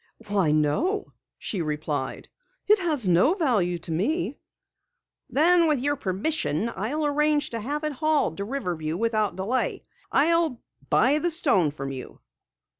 "Why, no," she replied. "It has no value to me." "Then with your permission, I'll arrange to have it hauled to Riverview without delay. I'll buy the stone from you."